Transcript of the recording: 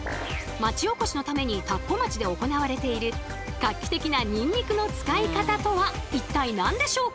町おこしのために田子町で行われている画期的なニンニクの使い方とは一体何でしょうか？